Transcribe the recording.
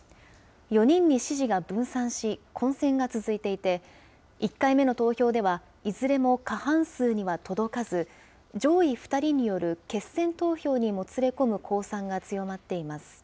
４人に支持が分散し、混戦が続いていて、１回目の投票では、いずれも過半数には届かず、上位２人による決戦投票にもつれ込む公算が強まっています。